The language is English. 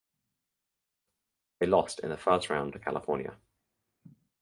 They lost in the first round to California.